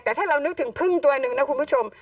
แต่ถ้าเรานึกถึงพึ่งตัวหนึ่งนะคุณผู้ชม